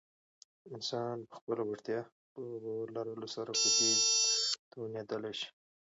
انسان په خپله وړتیا په باور لرلو سره په دې توانیدلی شی